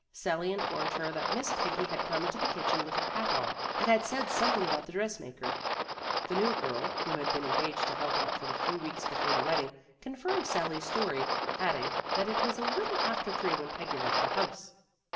Sally informed her that Miss Peggy had come into the kitchen with her hat on, and had said something about the dressmaker. The new girl, who had been engaged to help out for the few weeks before the wedding, confirmed Sally's story, adding that it was a little after three when Peggy left the house.